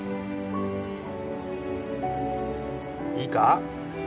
いいか？